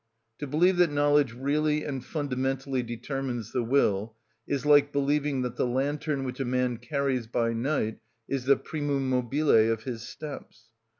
To believe that knowledge really and fundamentally determines the will is like believing that the lantern which a man carries by night is the primum mobile of his steps.